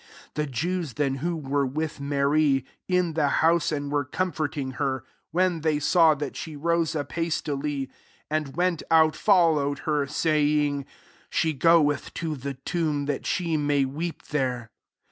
31 The Jews then, who were with Mary, is the house, and were comforting her, when they saw that she rose up hastily, and went ovt^ followed her, saying, «* She goeth to the tomb, that she nuty weep there.'